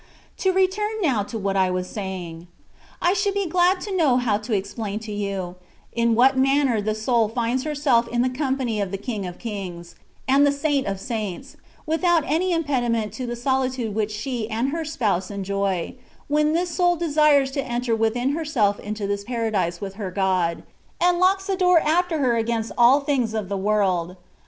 To return now to what I was saying. I should be ;glad to know how to explain to you, in what man ner the soul finds herself in the company of the yiwg of kings, and the Saa&t of saints, withonst any impedim^it to the solitude which she aaid her Spouse enjoy, when this scml desires to enter within herself into this Paradise with her Gk>d, and lodks the door after her tigainst all things of the world.